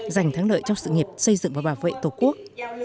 giành thắng lợi trong sự nghiệp xây dựng và bảo vệ tổ quốc